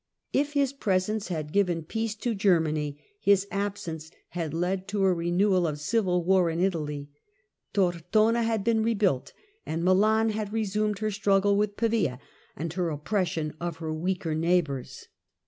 If his presence had given peace to Germany, his absence had led to a renewal of civil war in Italy. Tortona had been rebuilt, and Milan had resumed her struggle with Pavia, and her oppression of her weaker neighbours.